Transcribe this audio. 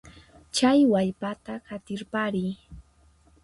Chay wallpata qatirpariy.